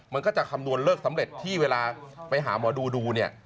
มันก็จะคำนวณเลิกสำเร็จที่เวลาไปหาหมอดูดูเนี่ย